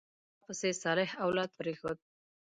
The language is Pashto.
شا پسې صالح اولاد پرېښود.